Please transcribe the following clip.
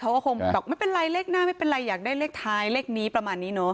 เขาก็คงบอกไม่เป็นไรเลขหน้าไม่เป็นไรอยากได้เลขท้ายเลขนี้ประมาณนี้เนอะ